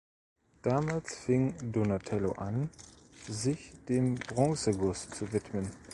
Damals fing Donatello an, sich dem Bronzeguss zu widmen.